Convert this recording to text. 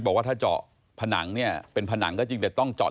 บอกว่าถ้าเจาะผนังเนี่ยเป็นผนังก็จริงแต่ต้องจอด